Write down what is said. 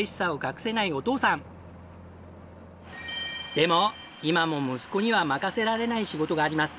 でも今も息子には任せられない仕事があります。